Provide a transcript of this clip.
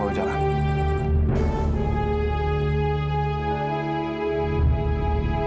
percaya deh sama mama